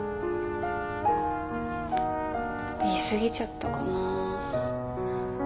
言い過ぎちゃったかな。